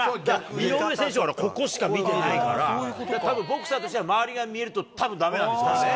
井上選手はここしか見てないから、たぶんボクサーとしては周りが見えると、たぶんだめなんだね。